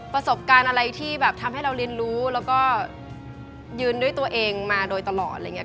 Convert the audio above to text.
ประสบการณ์อะไรที่แบบทำให้เราเรียนรู้แล้วก็ยืนด้วยตัวเองมาโดยตลอดอะไรอย่างนี้